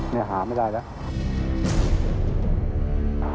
นี่หาไม่ได้แล้ว